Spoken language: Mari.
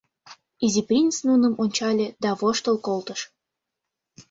Изи принц нуным ончале да воштыл колтыш: